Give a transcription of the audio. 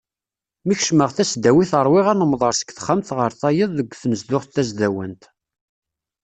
Mi kecmeɣ tasdawit ṛwiɣ anemḍer seg texxamt ɣer tayeḍ deg tnezduɣt tasdawant.